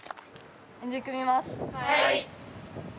はい。